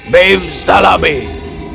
bim salah bim